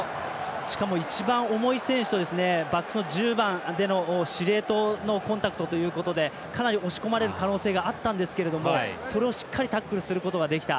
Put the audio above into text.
しかも一番重い選手とバックスの１０番での司令塔のコンタクトということでかなり押し込まれる可能性があったんですがそれをしっかりタックルすることができた。